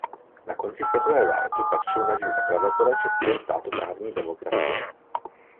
Na konci světové války patřil mezi zakladatele České státoprávní demokracie.